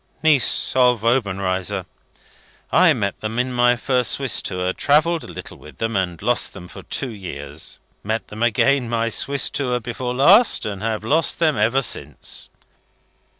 "Niece of Obenreizer. (I met them in my first Swiss tour, travelled a little with them, and lost them for two years; met them again, my Swiss tour before last, and have lost them ever since.)